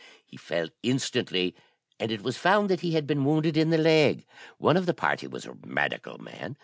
He fell instantly, and it was found that he had been wounded in the leg. One of the party was a medical man.